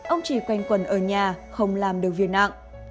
ông chỉ quanh quần ở nhà không làm được viên nặng